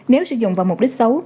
nếu sử dụng vào mục đích xấu